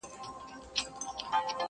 که یوه شېبه وي پاته په خوښي کي دي تیریږي٫